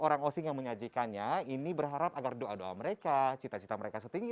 orang osing yang menyajikannya ini berharap agar doa doa mereka cita cita mereka setinggi